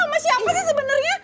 lu sama siapa sih sebenernya